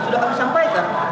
sudah kami sampaikan